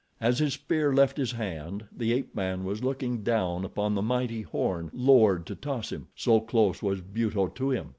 As his spear left his hand the ape man was looking down upon the mighty horn lowered to toss him, so close was Buto to him.